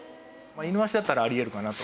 イヌワシだったらあり得るかなと。